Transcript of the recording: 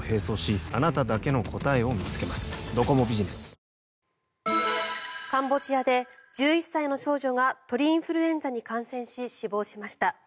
フラミンゴカンボジアで１１歳の少女が鳥インフルエンザに感染し死亡しました。